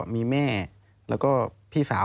มีแม่แล้วก็พี่สาว